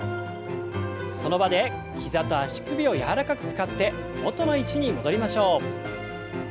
その場で膝と足首を柔らかく使って元の位置に戻りましょう。